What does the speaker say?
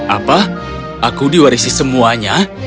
apa aku diwarisi semuanya